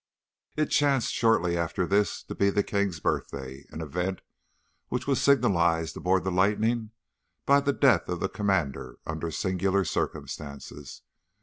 "It chanced shortly after this to be the king's birthday, an event which was signalised aboard the Lightening by the death of the commander under singular circumstances.